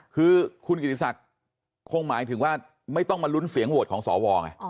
คือคุณกิติศักดิ์คงหมายถึงว่าไม่ต้องมาลุ้นเสียงโหวตของสวไง